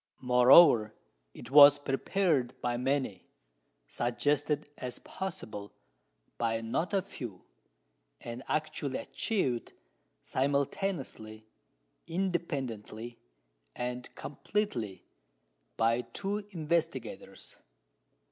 Moreover, it was prepared by many, suggested as possible by not a few, and actually achieved, simultaneously, independently, and completely, by two investigators.